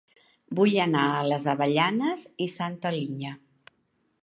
Vull anar a Les Avellanes i Santa Linya